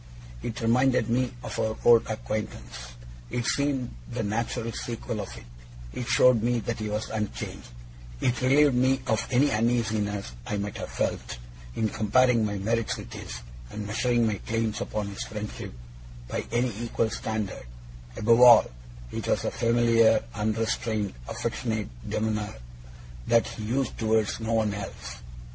It reminded me of our old acquaintance; it seemed the natural sequel of it; it showed me that he was unchanged; it relieved me of any uneasiness I might have felt, in comparing my merits with his, and measuring my claims upon his friendship by any equal standard; above all, it was a familiar, unrestrained, affectionate demeanour that he used towards no one else.